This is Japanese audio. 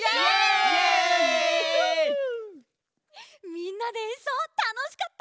みんなでえんそうたのしかった！